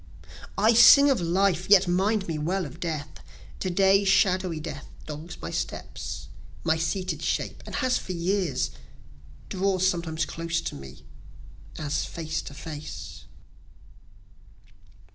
I sing of life, yet mind me well of death: To day shadowy Death dogs my steps, my seated shape, and has for years Draws sometimes close to me, as face to face.